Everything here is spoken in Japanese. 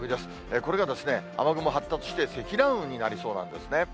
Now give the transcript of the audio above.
これが雨雲発達して、積乱雲になりそうなんですね。